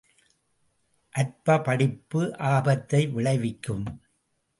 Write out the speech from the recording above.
அற்பப் படிப்பு ஆபத்தை விளைவிக்கும்.